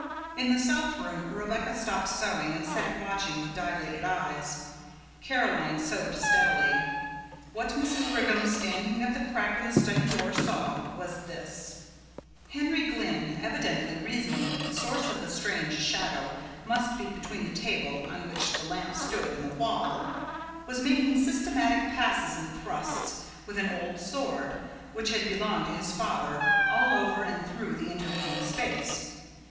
In the south room Rebecca stopped sewing and sat watching with dilated eyes. Caroline sewed steadily. What Mrs. Brigham, standing at the crack in the study door, saw was this: Henry Glynn, evidently reasoning that the source of the strange shadow must be between the table on which the lamp stood and the wall, was making systematic passes and thrusts with an old sword which had belonged to his father all over and through the intervening space.